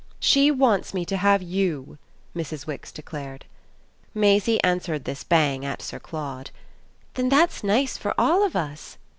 "She wants me to have YOU!" Mrs. Wix declared. Maisie answered this bang at Sir Claude. "Then that's nice for all of us."